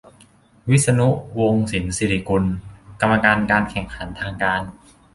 - วิษณุ วงศ์สินศิริกุล กรรมการการแข่งขันทางการ